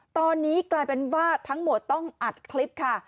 ตอนนี้กลายเป็นว่าทั้งหมดต้องอัดคลิปค่ะ